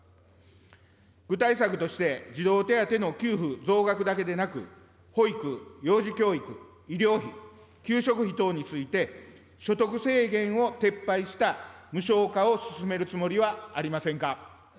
具体策として、児童手当の給付増額だけでなく、保育、幼児教育、医療費、給食費等について、所得制限を撤廃した無償化を進めるつもりはありませんか。